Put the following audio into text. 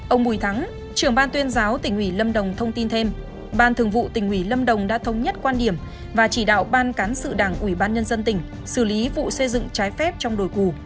ông bùi thắng trưởng ban tuyên giáo tỉnh ủy lâm đồng thông tin thêm ban thường vụ tỉnh ủy lâm đồng đã thống nhất quan điểm và chỉ đạo ban cán sự đảng ủy ban nhân dân tỉnh xử lý vụ xây dựng trái phép trong đồi cù